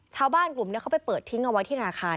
ชาวบ้านกลุ่มนี้เขาไปเปิดทิ้งเอาไว้ที่ธนาคาร